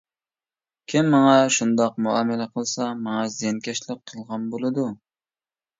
كىم ماڭا شۇنداق مۇئامىلە قىلسا، ماڭا زىيانكەشلىك قىلغان بولىدۇ.